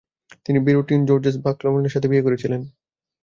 তিনি baritone Georges বাকলানফের সাথে বিয়ে করেছিলেন।